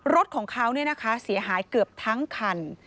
รถของเขาเนี่ยนะคะเสียหายเกือบทั้งคัน